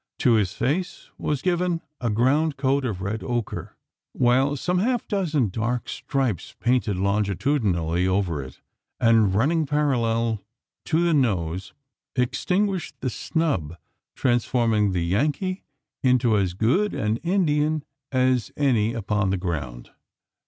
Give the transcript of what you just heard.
To his face was given a ground coat of red ochre; while some half dozen dark stripes, painted longitudinally over it, and running parallel to the nose, extinguished the snub transforming the Yankee into as good an Indian as any upon the ground!